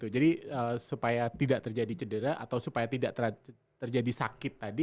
jadi supaya tidak terjadi cedera atau supaya tidak terjadi sakit tadi